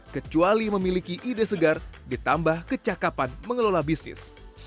kecuali memiliki ide segar ditambah kecakapan mengelola bisnis